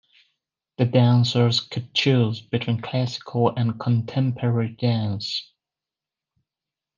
The dancers could choose between classical and contemporary dance.